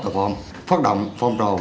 tại phòng phát động phòng trò